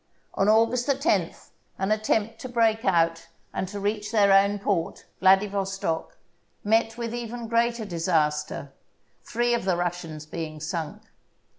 On August 10th an attempt to break out, and to reach their own port, Vladivostok, met with even greater dis aster — three of the Russians being sunk.